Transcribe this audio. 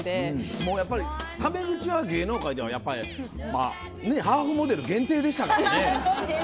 もうやっぱりタメ口は芸能界ではやっぱりまぁねハーフモデル限定でしたからね。